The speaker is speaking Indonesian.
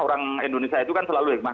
orang indonesia itu kan selalu hikmah